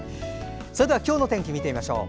それでは、今日の天気見てみましょう。